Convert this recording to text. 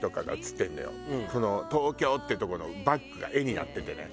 この「東京」っていうとこのバックが絵になっててね。